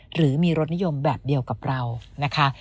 หรือมีรสนิยมแบบเดียวกับเรานะคะ